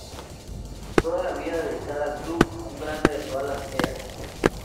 Toda la vida dedicada al club, un grande de todas las eras.